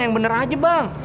yang bener aja bang